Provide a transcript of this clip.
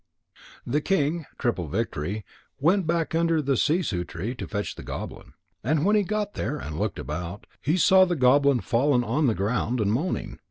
_ Then King Triple victory went back under the sissoo tree to fetch the goblin. And when he got there and looked about, he saw the goblin fallen on the ground and moaning.